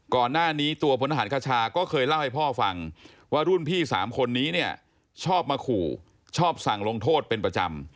ก่อนหน้านี้ตัวพลทหารคชาก็เคยเล่าให้พ่อฟังว่ารุ่นพี่๓คนนี้เนี่ยชอบมาขู่ชอบสั่งลงโทษเป็นประจำ